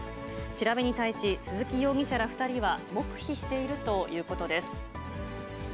調べに対し、鈴木容疑者ら２人は黙秘しているということです。